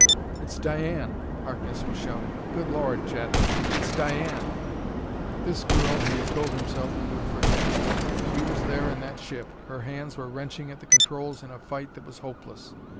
"It's Diane!" Harkness was shouting. "Good Lord, Chet, it's Diane!" This girl he had told himself he would forget. She was there in that ship, her hands were wrenching at the controls in a fight that was hopeless.